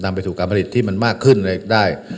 ไปสู่การผลิตที่มันมากขึ้นได้